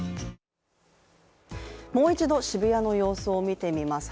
もう一度、渋谷の様子を見てみます。